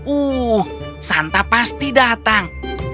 uh santa pasti datang